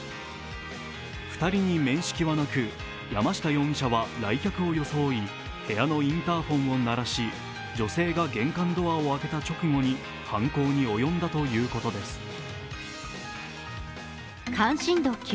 ２人に面識はなく、山下容疑者は来客を装い、部屋のインターフォンを鳴らし、女性が玄関ドアを開けた直後に犯行に及んだということです。